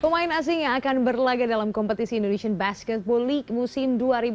pemain asing yang akan berlagak dalam kompetisi indonesian basketball league musim dua ribu tujuh belas dua ribu delapan belas